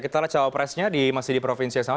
kita lihat ini kalau capresnya